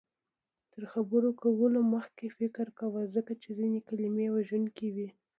تر خبرو کولو مخکې فکر کوه، ځکه ځینې کلمې وژونکې وي